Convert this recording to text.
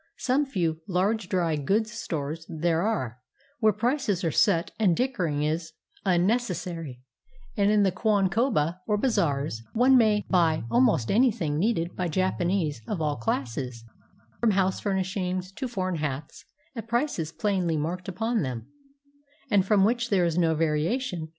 Some few large dry goods stores there are, where prices are set and dickering is 399 JAPAN unnecessary; and in the kwankoba, or bazaars, one may buy almost anything needed by Japanese of all classes, from house furnishings to foreign hats, at prices plainly marked upon them, and from which there is no variation.